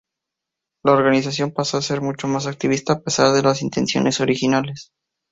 La organización pasó a ser mucho más activista, a pesar de las intenciones originales.